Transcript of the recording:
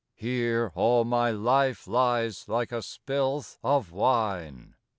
Here all my life lies like a spilth of wine.